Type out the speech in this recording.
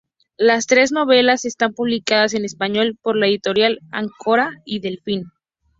Las tres novelas están publicadas en español por la editorial Áncora y Delfín.